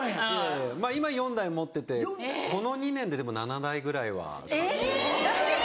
今４台持っててこの２年ででも７台ぐらいは買って。